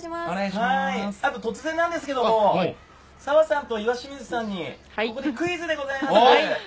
突然なんですけれども、澤さんと岩清水さんにここでクイズです。